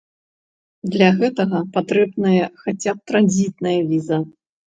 Для гэтага патрэбная хаця б транзітная віза.